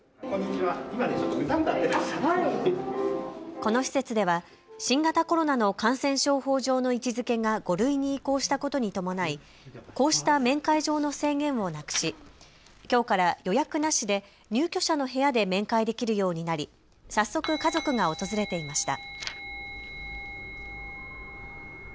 この施設では新型コロナの感染症法上の位置づけが５類に移行したことに伴い、こうした面会上の制限をなくし、きょうから予約なしで入居者の部屋で面会できるようになり早速、家族が訪れていました。